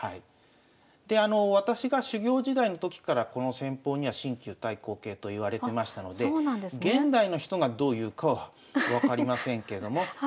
で私が修業時代の時からこの戦法には新旧対抗形といわれてましたので現代の人がどう言うかは分かりませんけれどもま